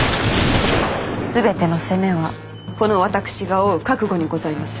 全ての責めはこの私が負う覚悟にございます。